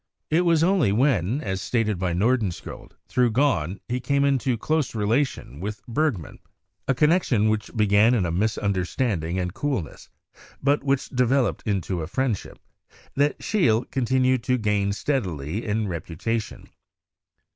It was only when, as stated by Nordenskiold, through Gahn he came into close relation with Bergman — a con nection which began in a misunderstanding and coolness, but which developed into a friendship — that Scheele con tinued to gain steadily in reputation.